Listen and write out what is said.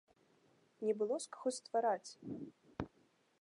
Не было з каго ствараць!